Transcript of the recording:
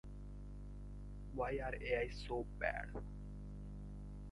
It was regal and it was Australian.